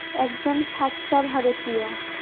একজন সাচ্চা ভারতীয়।